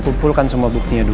kumpulkan semua buktinya dulu